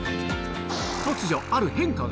突如、ある変化が。